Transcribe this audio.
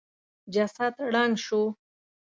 جسد ړنګ شو.